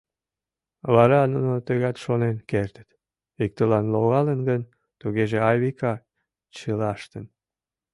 Вара нуно тыгат шонен кертыт: иктылан логалын гын, тугеже Айвика чылаштын.